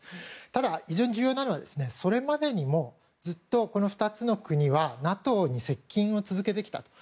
ただ、非常に重要なのはそれまでにもずっとこの２つの国はＮＡＴＯに接近を続けてきた。